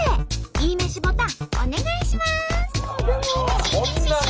いいめしボタンお願いします！